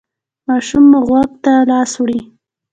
ماشوم مو غوږ ته لاس وړي؟